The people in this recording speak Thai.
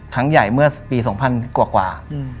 ครั้งใหญ่เมื่อปี๒๐๐กว่า